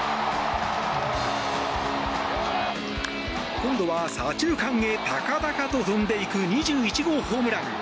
今度は左中間へ高々と飛んでいく２１号ホームラン。